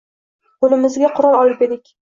Qo‘limizga qurol olib edik.